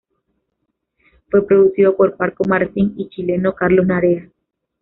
Fue producido por Paco Martín y el chileno Carlos Narea.